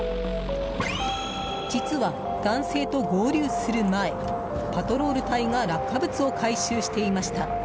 実は、男性と合流する前パトロール隊が落下物を回収していました。